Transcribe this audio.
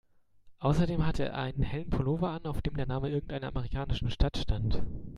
Außerdem hatte er einen hellen Pullover an, auf dem der Name irgendeiner amerikanischen Stadt stand.